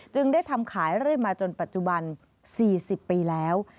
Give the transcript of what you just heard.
ได้ทำขายเรื่อยมาจนปัจจุบัน๔๐ปีแล้ว